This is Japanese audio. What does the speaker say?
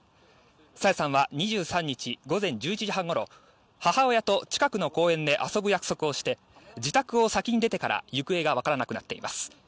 朝芽さんは２３日午前１１時半ごろ母親と近くの公園で遊ぶ約束をして自宅を先に出てから行方がわからなくなっています。